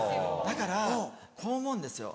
だからこう思うんですよ。